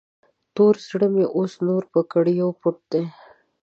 تور زړه مې اوس د نور په کړیو پټ دی.